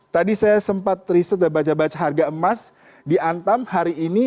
tadi saya sempat riset dan baca baca harga emas di antam hari ini